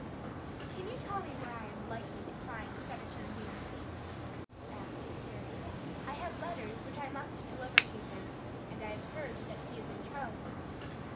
"Can you tell me where I am likely to find Senator Yancey?" asked Harry. "I have letters which I must deliver to him, and I have heard that he is in Charleston."